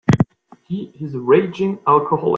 He is a raging alcoholic.